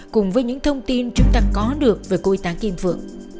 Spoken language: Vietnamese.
cùng với những thông tin chúng ta có được về cô y tá kim phượng